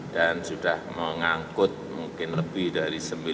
dan sudah mengangkut mungkin lebih dari tiga puluh ribu